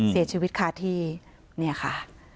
เสียชีวิตคาที่เนี่ยค่ะ